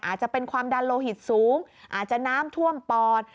อาจจะเป็นความดันโลหิตสูงอาจจะน้ำท่วมปอด